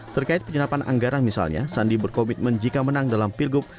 terkait penyerapan anggaran misalnya sandi berkomitmen jika menang dalam pilgub